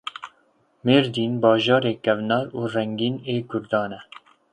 Mêrdîn bajarê kevnar û rengîn ê kurdan e.